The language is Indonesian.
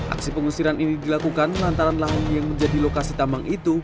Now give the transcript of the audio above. aksi pengusiran ini dilakukan lantaran lahan yang menjadi lokasi tambang itu